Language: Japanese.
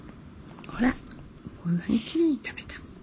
ほらこんなにきれいに食べた。